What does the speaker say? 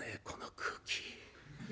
この空気。